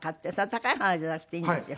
高い花じゃなくていいんですよ。